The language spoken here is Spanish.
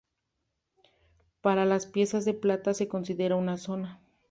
Para las piezas de plata se consideró una onza.